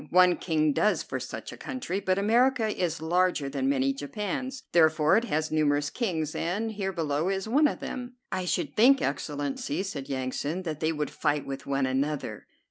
One king does for such a country; but America is larger than many Japans, therefore it has numerous kings, and here below us is one of them." "I should think, Excellency," said Yansan, "that they would fight with one another."